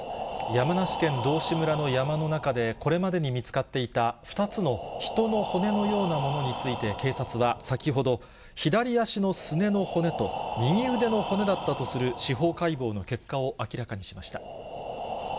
山梨県道志村の山の中で、これまでに見つかっていた２つの人の骨のようなものについて警察は先ほど、左足のすねの骨と右腕の骨だったとする司法解剖の結果を明らかにしました。